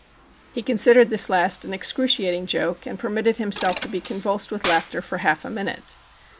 He considered this last an excruciating joke, and permitted himself to be convulsed with laughter for half a minute.